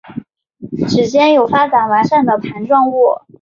趾尖有发展完善的盘状物。